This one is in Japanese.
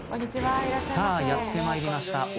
さあやってまいりました。